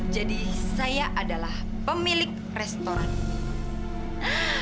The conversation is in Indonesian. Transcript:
jadi saya adalah pemilik restoran ini